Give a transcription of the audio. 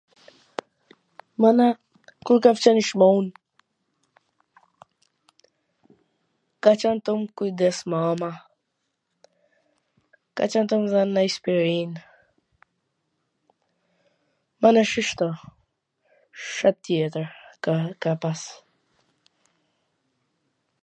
Mana, kur kam qene i smun, ka qwn tu mu kujdes mama, ka qwn tu mw dhwn ndonj aspirin, mana shishto...